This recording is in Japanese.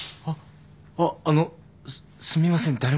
あっあのすみません